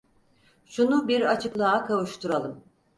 Şunu bir açıklığa kavuşturalım.